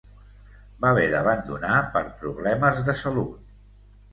Va haver d'abandonar per problemes de salut.